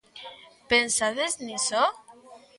Pensades niso?